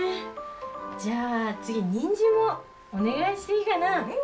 じゃあ次ニンジンもお願いしていいかな？